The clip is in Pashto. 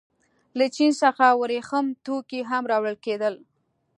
له چین څخه ورېښم توکي هم راوړل کېدل.